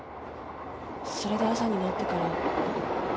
それで朝になってから。